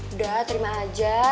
udah terima aja